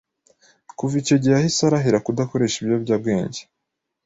kuva icyo gihe yahise arahira kudakoresha ibiyobyabwenge